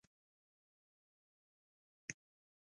علت یې یوازې دا و.